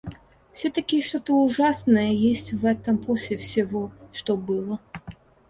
Всё-таки что-то ужасное есть в этом после всего, что было.